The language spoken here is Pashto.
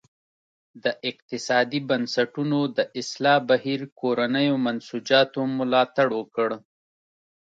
د اقتصادي بنسټونو د اصلاح بهیر کورنیو منسوجاتو ملاتړ وکړ.